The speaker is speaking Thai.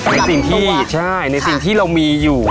ในสิ่งที่ใช่ในสิ่งที่เรามีอยู่